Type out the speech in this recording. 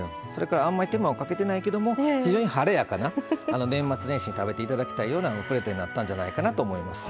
あんまり手間をかけてないけど非常に晴れやかな年末年始に食べていただきたいようなプレートになったんじゃないかと思います。